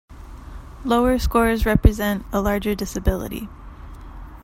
Lower scores represent a larger disability.